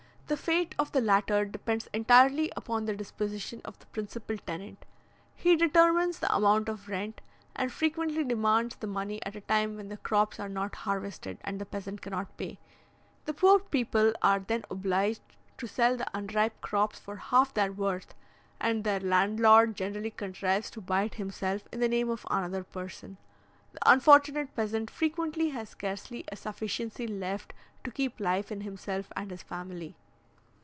The fate of the latter depends entirely upon the disposition of the principal tenant. He determines the amount of rent, and frequently demands the money at a time when the crops are not harvested, and the peasant cannot pay; the poor people are then obliged to sell the unripe crops for half their worth, and their landlord generally contrives to buy it himself in the name of another person. The unfortunate peasant frequently has scarcely a sufficiency left to keep life in himself and his family.